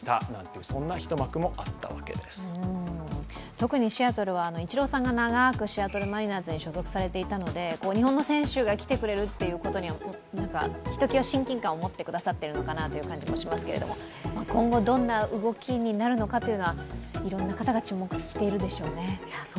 特にシアトルは、イチローさんが長くシアトル・マリナーズに所属されていたので、日本の選手が来てくれるということにはひときわ親近感を持ってくださっているのかなという感じがしますけれども、今後どんな動きになるのかというのは、いろんな方が注目しているでしょうね。